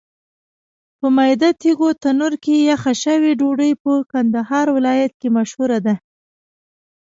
په میده تېږو تنور کې پخه شوې ډوډۍ په کندهار ولایت کې مشهوره ده.